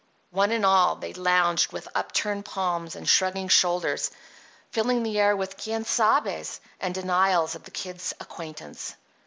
One and all they lounged with upturned palms and shrugging shoulders, filling the air with "quien sabes" and denials of the Kid's acquaintance.